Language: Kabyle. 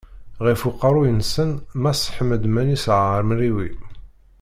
Ɣef uqerruy-nsen mass Ḥmed Manis Ɛemriwi.